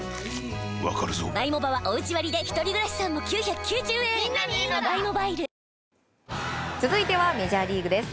わかるぞ続いてはメジャーリーグです。